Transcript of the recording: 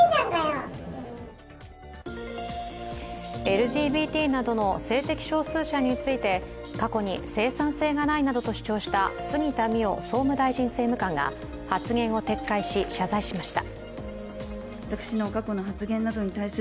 ＬＧＢＴなどの性的少数者について、過去に生産性がないなどと主張した杉田水脈総務大臣政務官が発言を撤回し、謝罪しました。